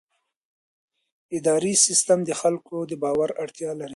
اداري سیستم د خلکو د باور اړتیا لري.